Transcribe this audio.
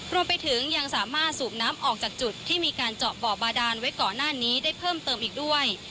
รวมไปถึงยังสามารถสูบน้ำออกจากจุดที่มีการเจาะบ่อบาดานไว้ก่อนหน้านี้ได้เพิ่มเติมอีกด้วย